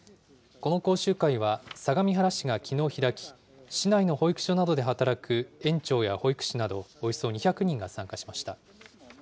この講習会は、相模原市がきのう開き、市内の保育所などで働く園長や保育士などおよそ２００人が参加しました。